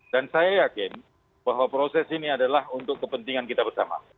dan saya yakin bahwa proses ini adalah untuk kepentingan kita bersama